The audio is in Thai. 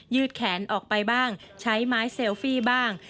แขนออกไปบ้างใช้ไม้เซลฟี่บ้าง